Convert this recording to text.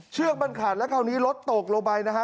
เชือกมันขาดแล้วคราวนี้รถตกลงไปนะฮะ